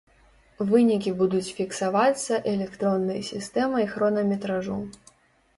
Вынікі будуць фіксавацца электроннай сістэмай хронаметражу.